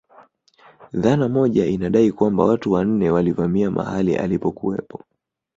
Dhana moja inadai kwamba watu wanne walivamia mahali alipokuwepo